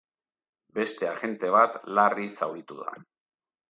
Beste agente bat larri zauritu da.